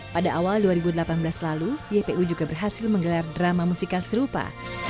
pada awal dua ribu delapan belas lalu ypu juga berhasil menggelar drama musikal serupa